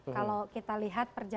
kalau kita lihat perjanjian